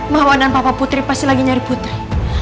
mahawa dan papa putri pasti lagi nyari putri